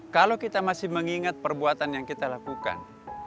kalau kita masih mengingat perbuatan yang kita lakukan